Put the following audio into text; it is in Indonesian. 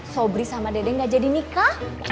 sobri sama dede gak jadi nikah